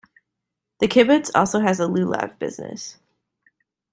The kibbutz also has a lulav business.